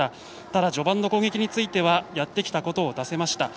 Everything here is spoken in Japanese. ただ、序盤の攻撃についてはやってきたことを出せました。